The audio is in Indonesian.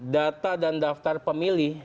data dan daftar pemilih